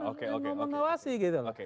semua ada yang mengawasi gitu